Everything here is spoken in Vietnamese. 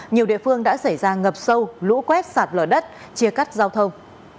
nhiều địa phương đã xảy ra ngập sâu lũ quét sạt lở đất chia cắt giao thông